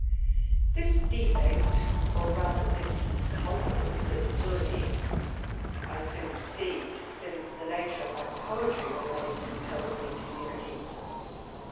This defect, or rather this culpable superfluity, I soon perceived ; since the nature of my poetry always impelled me to unity.